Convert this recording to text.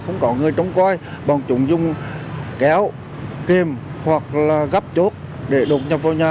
người trông coi vòng trúng dùng kéo kem hoặc là gắp chốt để đột nhập vào nhà